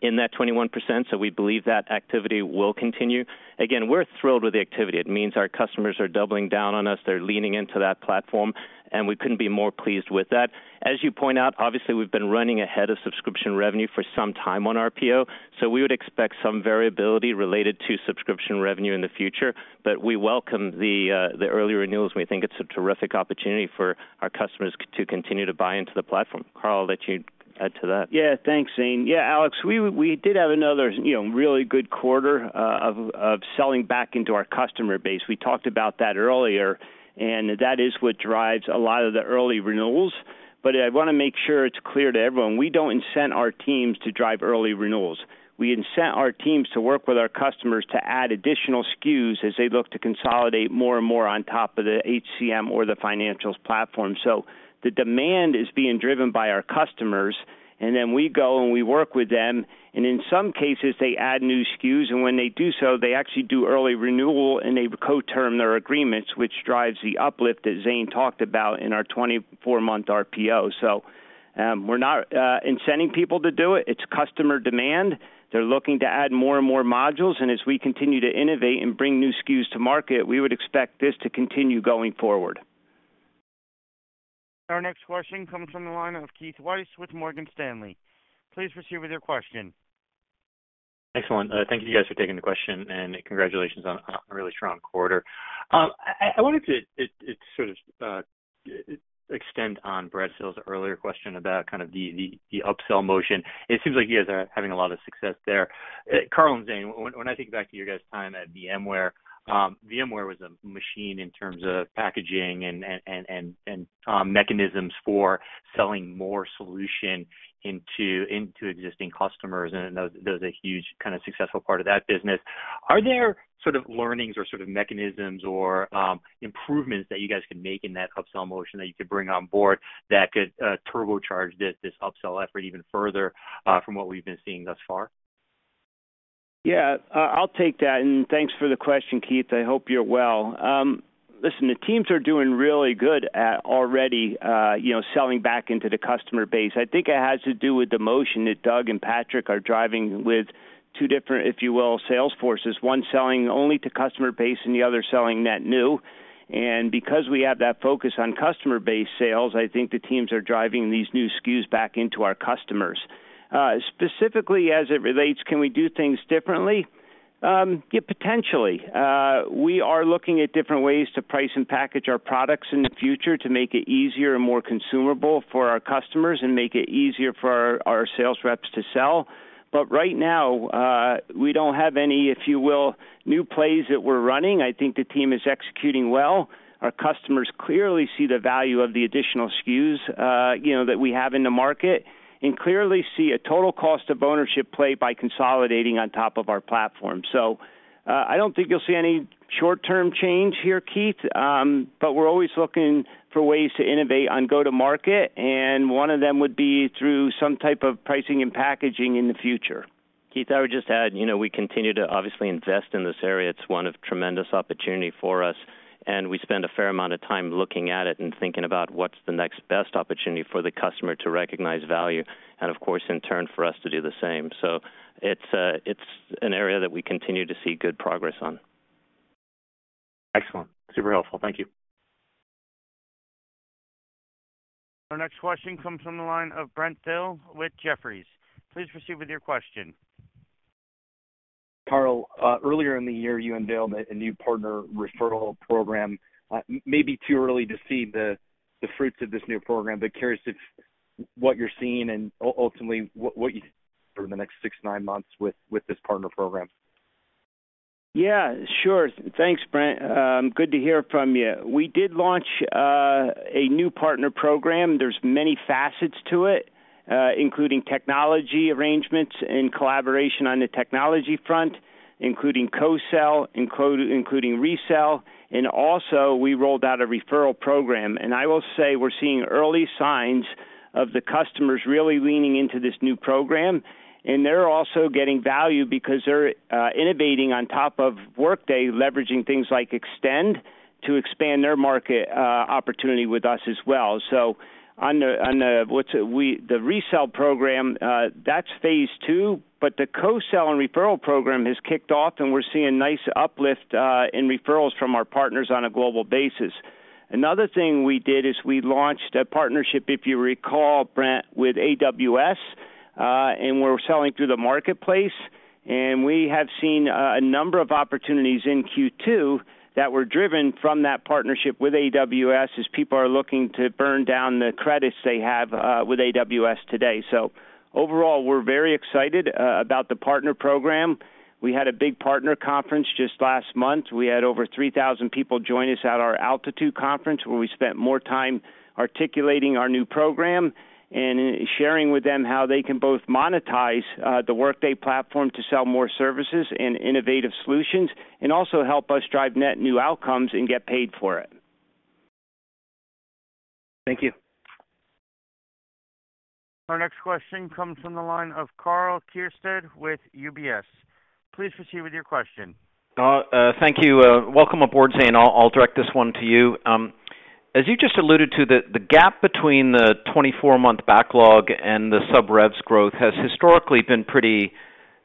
in that 21%, so we believe that activity will continue. Again, we're thrilled with the activity. It means our customers are doubling down on us, they're leaning into that platform, and we couldn't be more pleased with that. As you point out, obviously, we've been running ahead of subscription revenue for some time on RPO, so we would expect some variability related to subscription revenue in the future. But we welcome the early renewals, and we think it's a terrific opportunity for our customers to continue to buy into the platform. Carl, I'll let you add to that.
Yeah, thanks, Zane. Yeah, Alex, we did have another, you know, really good quarter of selling back into our customer base. We talked about that earlier, and that is what drives a lot of the early renewals. But I want to make sure it's clear to everyone, we don't incent our teams to drive early renewals. We incent our teams to work with our customers to add additional SKUs as they look to consolidate more and more on top of the HCM or the financials platform. So the demand is being driven by our customers, and then we go and we work with them, and in some cases they add new SKUs, and when they do so, they actually do early renewal, and they co-term their agreements, which drives the uplift that Zane talked about in our 24-month RPO. We're not incenting people to do it. It's customer demand. They're looking to add more and more modules, and as we continue to innovate and bring new SKUs to market, we would expect this to continue going forward.
Our next question comes from the line of Keith Weiss with Morgan Stanley. Please proceed with your question.
Excellent. Thank you guys for taking the question, and congratulations on a really strong quarter. I wanted to sort of extend on Brad Sills's earlier question about kind of the upsell motion. It seems like you guys are having a lot of success there. Carl and Zane, when I think back to your guys' time at VMware, VMware was a machine in terms of packaging and mechanisms for selling more solution into existing customers, and that was a huge, kind of, successful part of that business. Are there sort of learnings or sort of mechanisms or improvements that you guys can make in that upsell motion that you could bring on board that could turbocharge this upsell effort even further from what we've been seeing thus far?
Yeah, I'll take that, and thanks for the question, Keith. I hope you're well. Listen, the teams are doing really good at already, you know, selling back into the customer base. I think it has to do with the motion that Doug and Patrick are driving with two different, if you will, sales forces, one selling only to customer base and the other selling net new. And because we have that focus on customer base sales, I think the teams are driving these new SKUs back into our customers. Specifically, as it relates, can we do things differently? Yeah, potentially. We are looking at different ways to price and package our products in the future to make it easier and more consumable for our customers and make it easier for our sales reps to sell. But right now, we don't have any, if you will, new plays that we're running. I think the team is executing well. Our customers clearly see the value of the additional SKUs, you know, that we have in the market, and clearly see a total cost of ownership play by consolidating on top of our platform. So, I don't think you'll see any short-term change here, Keith, but we're always looking for ways to innovate on go-to-market, and one of them would be through some type of pricing and packaging in the future.
Keith, I would just add, you know, we continue to obviously invest in this area. It's one of tremendous opportunity for us, and we spend a fair amount of time looking at it and thinking about what's the next best opportunity for the customer to recognize value, and of course, in turn, for us to do the same. So it's, it's an area that we continue to see good progress on.
Excellent. Super helpful. Thank you.
Our next question comes from the line of Brent Thill with Jefferies. Please proceed with your question.
Carl, earlier in the year, you unveiled a new partner referral program. Maybe too early to see the fruits of this new program, but curious if... what you're seeing and ultimately, what you see over the next 6 months-9 months with this partner program?
Yeah, sure. Thanks, Brent. Good to hear from you. We did launch a new partner program. There's many facets to it, including technology arrangements and collaboration on the technology front, including co-sell, including resell, and also we rolled out a referral program. And I will say we're seeing early signs of the customers really leaning into this new program, and they're also getting value because they're innovating on top of Workday, leveraging things like Extend, to expand their market opportunity with us as well. So the resell program, that's phase two, but the co-sell and referral program has kicked off, and we're seeing nice uplift in referrals from our partners on a global basis.... Another thing we did is we launched a partnership, if you recall, Brent, with AWS, and we're selling through the Marketplace, and we have seen a number of opportunities in Q2 that were driven from that partnership with AWS, as people are looking to burn down the credits they have with AWS today. So overall, we're very excited about the partner program. We had a big partner conference just last month. We had over 3,000 people join us at our Altitude conference, where we spent more time articulating our new program and sharing with them how they can both monetize the Workday platform to sell more services and innovative solutions, and also help us drive net new outcomes and get paid for it.
Thank you.
Our next question comes from the line of Karl Keirstead with UBS. Please proceed with your question.
Thank you. Welcome aboard, Zane. I'll direct this one to you. As you just alluded to, the gap between the 24-month backlog and the sub revs growth has historically been pretty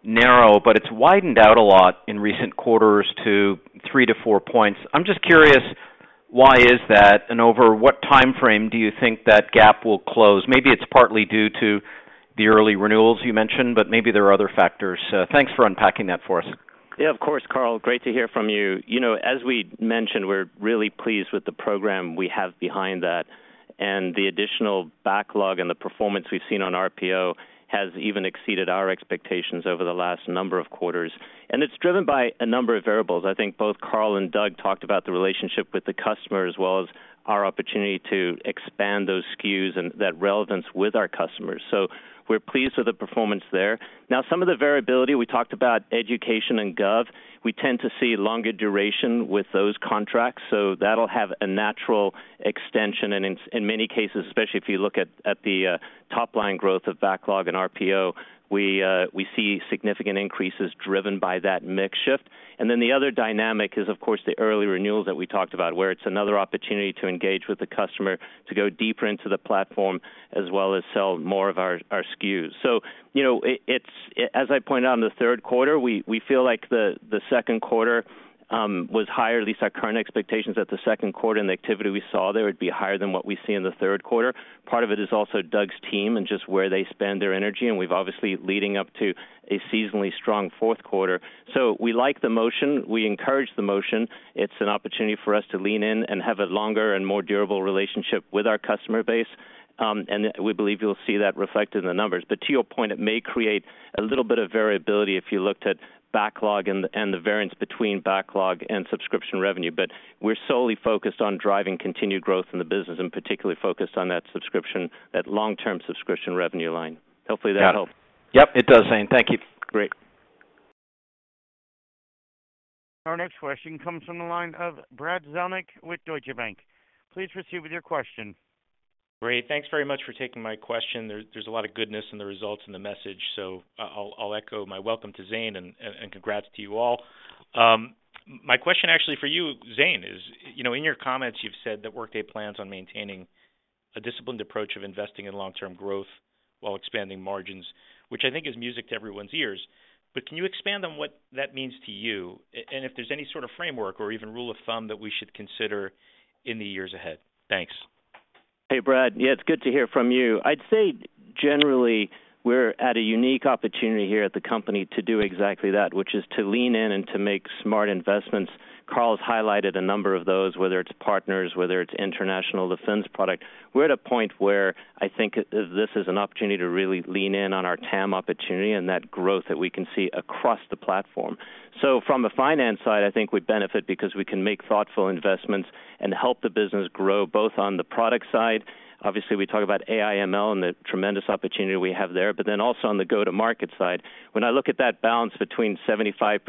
narrow, but it's widened out a lot in recent quarters to 3-4 points. I'm just curious, why is that, and over what timeframe do you think that gap will close? Maybe it's partly due to the early renewals you mentioned, but maybe there are other factors. Thanks for unpacking that for us.
Yeah, of course, Karl, great to hear from you. You know, as we mentioned, we're really pleased with the program we have behind that, and the additional backlog and the performance we've seen on RPO has even exceeded our expectations over the last number of quarters. And it's driven by a number of variables. I think both Carl and Doug talked about the relationship with the customer, as well as our opportunity to expand those SKUs and that relevance with our customers, so we're pleased with the performance there. Now, some of the variability, we talked about education and gov, we tend to see longer duration with those contracts, so that'll have a natural extension, and in many cases, especially if you look at the top-line growth of backlog and RPO, we see significant increases driven by that mix shift. Then the other dynamic is, of course, the early renewals that we talked about, where it's another opportunity to engage with the customer, to go deeper into the platform, as well as sell more of our, our SKUs. So you know, it's, as I pointed out in the third quarter, we feel like the second quarter was higher, at least our current expectations, that the second quarter and the activity we saw there would be higher than what we see in the third quarter. Part of it is also Doug's team and just where they spend their energy, and we've obviously leading up to a seasonally strong fourth quarter. So we like the motion. We encourage the motion. It's an opportunity for us to lean in and have a longer and more durable relationship with our customer base, and we believe you'll see that reflected in the numbers. But to your point, it may create a little bit of variability if you looked at backlog and the variance between backlog and subscription revenue. But we're solely focused on driving continued growth in the business, and particularly focused on that subscription, that long-term subscription revenue line. Hopefully, that helped.
Yep, it does, Zane. Thank you.
Great.
Our next question comes from the line of Brad Zelnick with Deutsche Bank. Please proceed with your question.
Great. Thanks very much for taking my question. There's a lot of goodness in the results and the message, so I'll echo my welcome to Zane and congrats to you all. My question actually for you, Zane, is, you know, in your comments, you've said that Workday plans on maintaining a disciplined approach of investing in long-term growth while expanding margins, which I think is music to everyone's ears. But can you expand on what that means to you, and if there's any sort of framework or even rule of thumb that we should consider in the years ahead? Thanks.
Hey, Brad. Yeah, it's good to hear from you. I'd say generally, we're at a unique opportunity here at the company to do exactly that, which is to lean in and to make smart investments. Carl's highlighted a number of those, whether it's partners, whether it's international defense product. We're at a point where I think this is an opportunity to really lean in on our TAM opportunity and that growth that we can see across the platform. So from a finance side, I think we benefit because we can make thoughtful investments and help the business grow, both on the product side, obviously we talk about AI, ML, and the tremendous opportunity we have there, but then also on the go-to-market side. When I look at that balance between 75%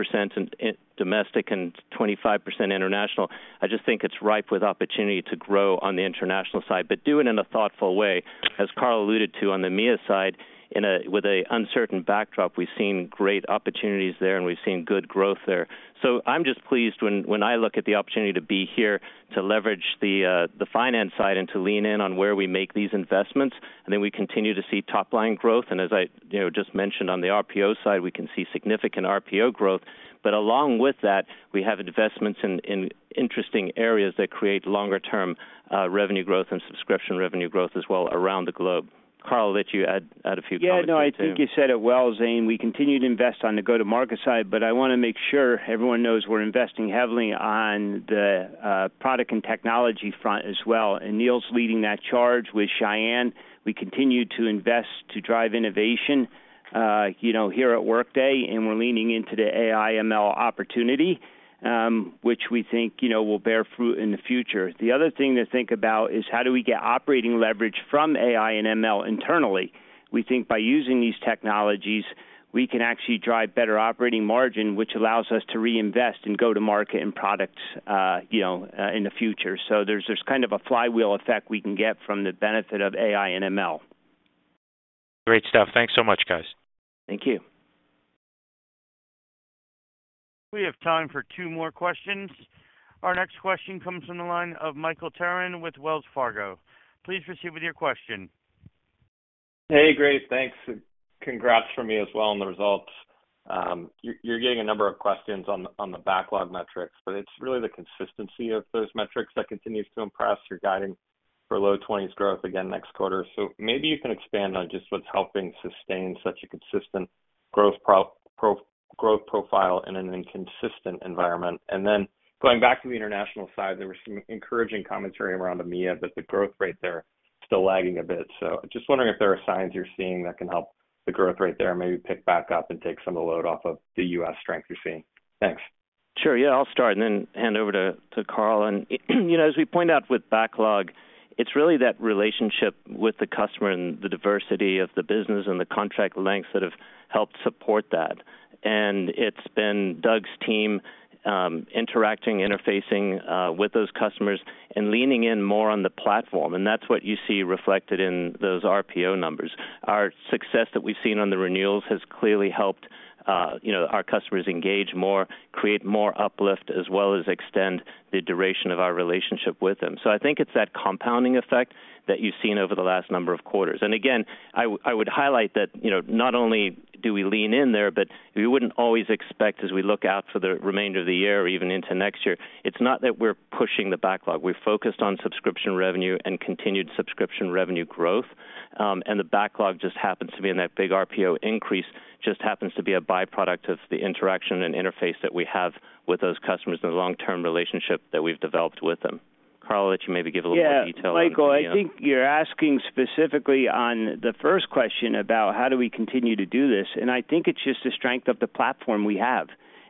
in domestic and 25% international, I just think it's ripe with opportunity to grow on the international side, but do it in a thoughtful way. As Carl alluded to on the EMEA side, with an uncertain backdrop, we've seen great opportunities there, and we've seen good growth there. So I'm just pleased when I look at the opportunity to be here, to leverage the finance side and to lean in on where we make these investments, and then we continue to see top-line growth, and as I, you know, just mentioned on the RPO side, we can see significant RPO growth. But along with that, we have investments in interesting areas that create longer-term revenue growth and subscription revenue growth as well around the globe. Carl, I'll let you add a few comments here, too.
Yeah, no, I think you said it well, Zane. We continue to invest on the go-to-market side, but I want to make sure everyone knows we're investing heavily on the product and technology front as well, and Aneel's leading that charge with Sayan. We continue to invest to drive innovation, you know, here at Workday, and we're leaning into the AI, ML opportunity, which we think, you know, will bear fruit in the future. The other thing to think about is: How do we get operating leverage from AI and ML internally? We think by using these technologies, we can actually drive better operating margin, which allows us to reinvest in go-to-market and products, you know, in the future. So there's kind of a flywheel effect we can get from the benefit of AI and ML.
Great stuff. Thanks so much, guys.
Thank you.
We have time for two more questions. Our next question comes from the line of Michael Turrin with Wells Fargo. Please proceed with your question....
Hey, great, thanks, and congrats from me as well on the results. You're getting a number of questions on the backlog metrics, but it's really the consistency of those metrics that continues to impress. You're guiding for low-20s growth again next quarter. So maybe you can expand on just what's helping sustain such a consistent growth profile in an inconsistent environment. And then going back to the international side, there were some encouraging commentary around EMEA, but the growth rate there still lagging a bit. So just wondering if there are signs you're seeing that can help the growth rate there maybe pick back up and take some of the load off of the U.S. strength you're seeing? Thanks.
Sure. Yeah, I'll start and then hand over to Carl. You know, as we pointed out with backlog, it's really that relationship with the customer and the diversity of the business and the contract lengths that have helped support that. It's been Doug's team, interacting, interfacing, with those customers and leaning in more on the platform, and that's what you see reflected in those RPO numbers. Our success that we've seen on the renewals has clearly helped, you know, our customers engage more, create more uplift, as well as extend the duration of our relationship with them. So I think it's that compounding effect that you've seen over the last number of quarters. Again, I would highlight that, you know, not only do we lean in there, but we wouldn't always expect, as we look out for the remainder of the year or even into next year, it's not that we're pushing the backlog. We're focused on subscription revenue and continued subscription revenue growth. The backlog just happens to be in that big RPO increase, just happens to be a byproduct of the interaction and interface that we have with those customers and the long-term relationship that we've developed with them. Carl, I'll let you maybe give a little more detail on EMEA.
Yeah, Michael, I think you're asking specifically on the first question about how do we continue to do this, and I think it's just the strength of the platform we have.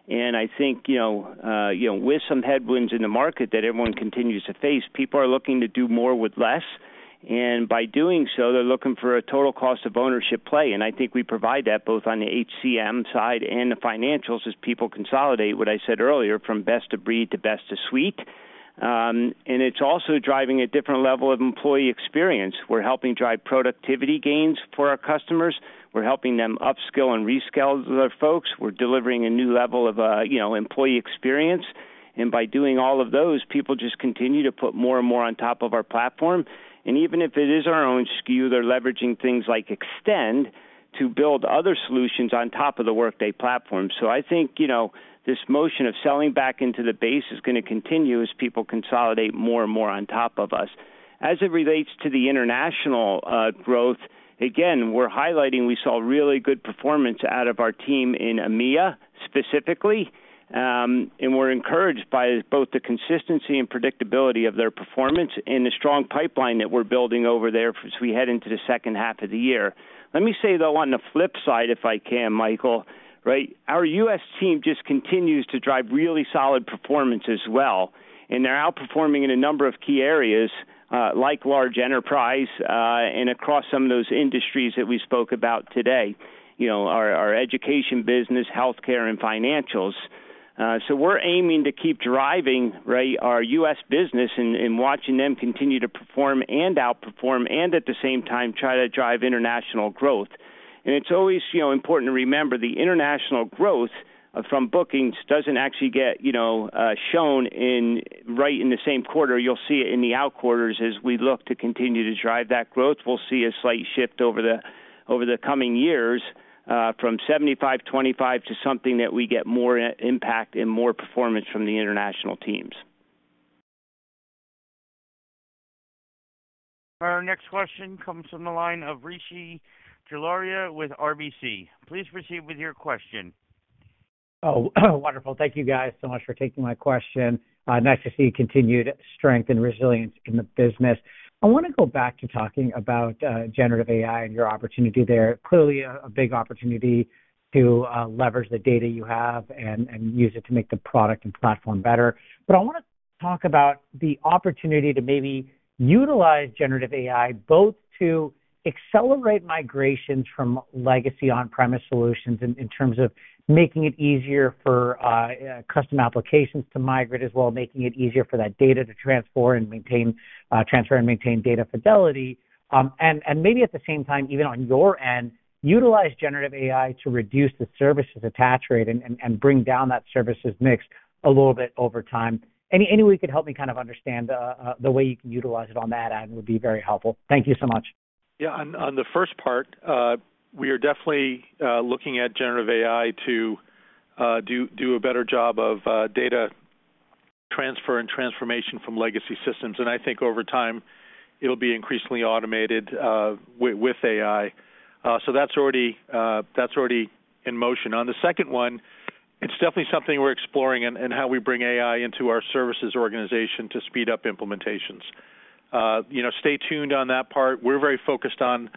And I think, you know, you know, with some headwinds in the market that everyone continues to face, people are looking to do more with less, and by doing so, they're looking for a total cost of ownership play, and I think we provide that both on the HCM side and the financials as people consolidate, what I said earlier, from best of breed to best of suite. And it's also driving a different level of employee experience. We're helping drive productivity gains for our customers. We're helping them upskill and reskill their folks. We're delivering a new level of, you know, employee experience, and by doing all of those, people just continue to put more and more on top of our platform. And even if it is our own SKU, they're leveraging things like Extend to build other solutions on top of the Workday platform. So I think, you know, this motion of selling back into the base is gonna continue as people consolidate more and more on top of us. As it relates to the international, growth, again, we're highlighting we saw really good performance out of our team in EMEA specifically. And we're encouraged by both the consistency and predictability of their performance and the strong pipeline that we're building over there as we head into the second half of the year. Let me say, though, on the flip side, if I can, Michael, right, our U.S. team just continues to drive really solid performance as well, and they're outperforming in a number of key areas, like large enterprise, and across some of those industries that we spoke about today. You know, our, our education business, healthcare, and financials. So we're aiming to keep driving, right, our U.S. business and, and watching them continue to perform and outperform and at the same time try to drive international growth. And it's always, you know, important to remember the international growth from bookings doesn't actually get, you know, shown in, right, in the same quarter. You'll see it in the out quarters as we look to continue to drive that growth. We'll see a slight shift over the coming years from 75-25 to something that we get more impact and more performance from the international teams.
Our next question comes from the line of Rishi Jaluria with RBC. Please proceed with your question.
Oh, wonderful. Thank you guys so much for taking my question. Nice to see continued strength and resilience in the business. I want to go back to talking about generative AI and your opportunity there. Clearly a big opportunity to leverage the data you have and use it to make the product and platform better. But I want to talk about the opportunity to maybe utilize generative AI, both to accelerate migrations from legacy on-premise solutions in terms of making it easier for custom applications to migrate, as well as making it easier for that data to transport and maintain, transfer and maintain data fidelity. And maybe at the same time, even on your end, utilize generative AI to reduce the services attach rate and bring down that services mix a little bit over time. Any way you could help me kind of understand the way you can utilize it on that end would be very helpful. Thank you so much.
Yeah, on the first part, we are definitely looking at generative AI to do a better job of data transfer and transformation from legacy systems. I think over time, it'll be increasingly automated with AI. So that's already in motion. On the second one, it's definitely something we're exploring in how we bring AI into our services organization to speed up implementations. You know, stay tuned on that part. We're very focused on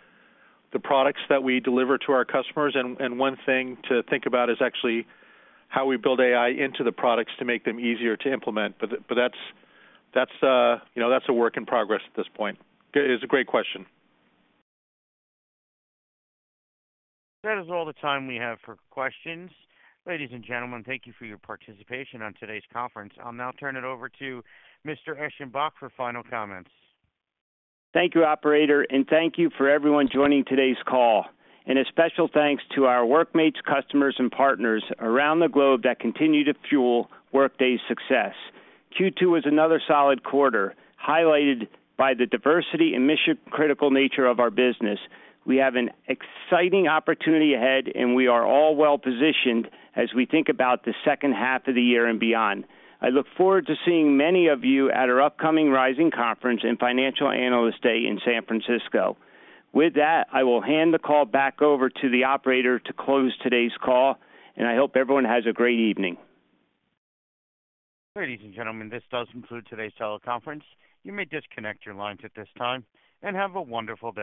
the products that we deliver to our customers, and one thing to think about is actually how we build AI into the products to make them easier to implement. But that's a work in progress at this point. It's a great question.
That is all the time we have for questions. Ladies and gentlemen, thank you for your participation on today's conference. I'll now turn it over to Mr. Eschenbach for final comments.
Thank you, operator, and thank you for everyone joining today's call. A special thanks to our Workmates customers and partners around the globe that continue to fuel Workday's success. Q2 was another solid quarter, highlighted by the diversity and mission-critical nature of our business. We have an exciting opportunity ahead, and we are all well positioned as we think about the second half of the year and beyond. I look forward to seeing many of you at our upcoming Rising conference and Financial Analyst Day in San Francisco. With that, I will hand the call back over to the operator to close today's call, and I hope everyone has a great evening.
Ladies and gentlemen, this does conclude today's teleconference. You may disconnect your lines at this time, and have a wonderful day.